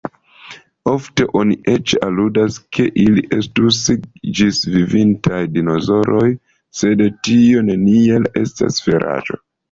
Ofte oni eĉ aludas ke ili estus ĝisvivintaj dinosaŭroj, sed tio neniel estas veraĵo.